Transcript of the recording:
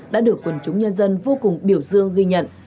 đã được quần chúng nhân dân vô cùng biểu dương ghi nhận